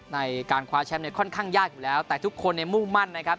ในการคว้าแชมป์เนี่ยค่อนข้างยากอยู่แล้วแต่ทุกคนเนี่ยมุ่งมั่นนะครับ